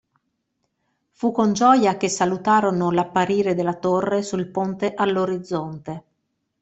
Fu con gioia che salutarono l'apparire della torre sul ponte all'orizzonte.